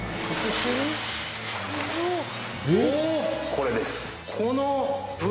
これです。